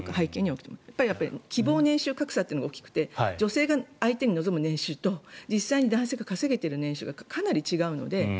あとは希望年収格差が大きくて女性が相手に望む年収と実際に男性が稼げてる年収がかなり違うので、